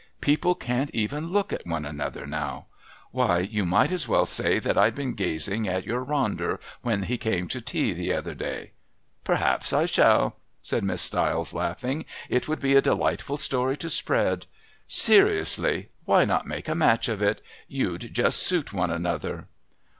People can't even look at one another now. Why, you might as well say that I'd been gazing at your Ronder when he came to tea the other day." "Perhaps I shall," said Miss Stiles, laughing. "It would be a delightful story to spread. Seriously, why not make a match of it? You'd just suit one another."